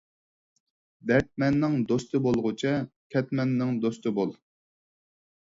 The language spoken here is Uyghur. دەردمەننىڭ دوستى بولغۇچە، كەتمەننىڭ دوستى بول.